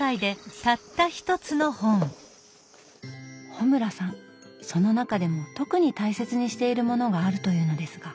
穂村さんその中でも特に大切にしているものがあるというのですが。